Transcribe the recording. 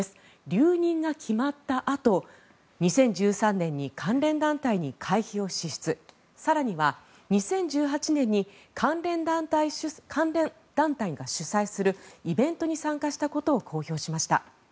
留任が決まったあと２０１３年に関連団体に会費を支出更には２０１８年に関連団体が主催するイベントに参加したことを公表しました。